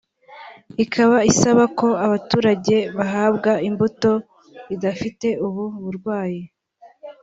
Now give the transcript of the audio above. ikaba isaba ko abaturage bahabwa imbuto idafite ubu burwayi